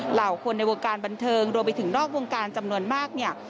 เหล่าคนในวงการบันเทิงรวมไปถึงนอกวงการจำนวนมากเนี่ย